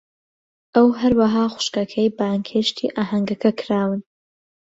ئەو، هەروەها خوشکەکەی، بانگهێشتی ئاهەنگەکە کراون.